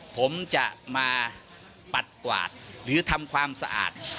ผมจะมาปัดกวาดหรือทำความสะอาด